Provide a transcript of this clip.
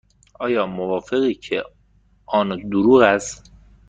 آیا موافقی که آن دروغ است؟